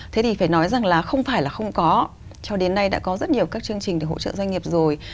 thế thì phải nói rằng là không phải là không có cho đến nay đã có rất nhiều các chương trình để hỗ trợ doanh nghiệp rồi